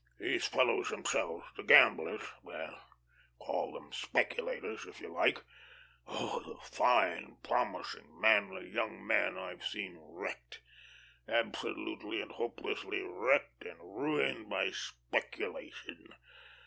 These fellows themselves, the gamblers well, call them speculators, if you like. Oh, the fine, promising manly young men I've seen wrecked absolutely and hopelessly wrecked and ruined by speculation!